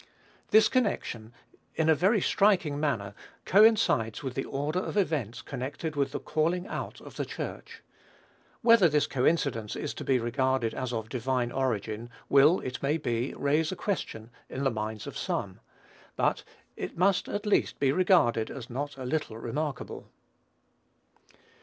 This connection, in a very striking manner, coincides with the order of events connected with the calling out of the Church. Whether this coincidence is to be regarded as of divine origin will, it may be, raise a question in the minds of some; but it must at least be regarded as not a little remarkable.